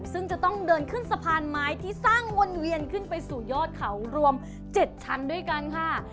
ซึ่งจะต้องเดินขึ้นสะพานไม้ที่สร้างวนเวียนขึ้นไปสู่ยอดเขารวม๗ชั้นด้วยกันค่ะ